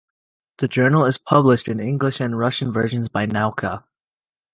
The journal is published in English and Russian versions by Nauka.